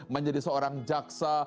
menjadi seorang jaksa